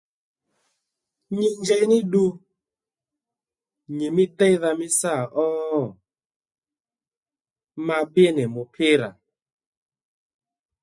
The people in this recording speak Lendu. Nyi njey ní ddu nyì mí déydha mí sâ ó? Ma bbí nì mùpírà